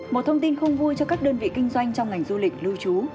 một thông tin không vui cho các đơn vị kinh doanh trong ngành du lịch lưu trú